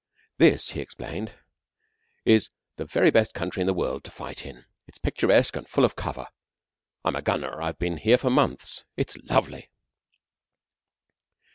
"This," he explained, "is the very best country in the world to fight in. It's picturesque and full of cover. I'm a gunner. I've been here for months. It's lovely."